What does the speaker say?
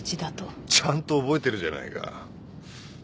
ちゃんと覚えてるじゃないか。